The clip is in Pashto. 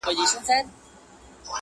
هر یوه وه را اخیستي تومنونه٫